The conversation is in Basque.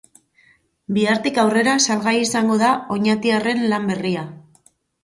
Bihartik aurrera salgai izango da oñatiarren lan berria.